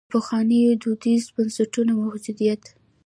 د پخوانیو دودیزو بنسټونو موجودیت.